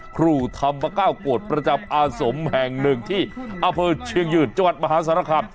ครูธรรมก้าวโกรธประจำอาสมแห่งหนึ่งที่อำเภอเชียงยืนจังหวัดมหาสารคาม